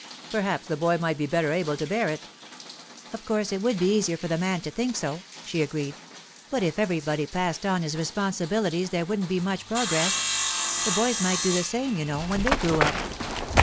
'Perhaps the boy might be better able to bear it.' 'Of course it would be easier for the man to think so,' she agreed. 'But if everybody passed on his responsibilities there wouldn't be much progress. The boys might do the same, you know, when they grew up.